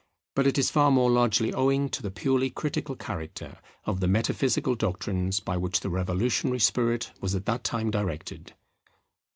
But it is far more largely owing to the purely critical character of the metaphysical doctrines by which the revolutionary spirit was at that time directed.